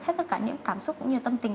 hết tất cả những cảm xúc cũng như tâm tình